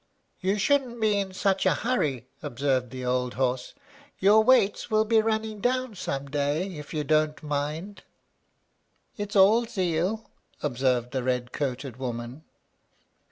"You shouldn't be in such a hurry," observed the old horse; "your weights will be running down some day, if you don't mind." "It's all zeal," observed the red coated woman.